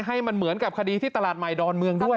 ให้มันเหมือนกับคดีที่ตลาดใหม่ดอนเมืองด้วย